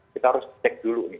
kita harus cek dulu nih